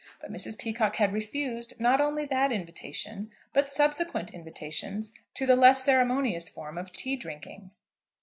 But Mrs. Peacocke had refused not only that invitation, but subsequent invitations to the less ceremonious form of tea drinking.